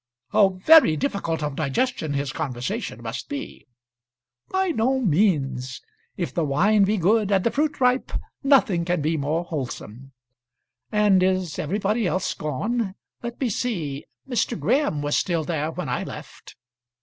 "How very difficult of digestion his conversation must be!" "By no means. If the wine be good and the fruit ripe, nothing can be more wholesome. And is everybody else gone? Let me see; Mr. Graham was still there when I left."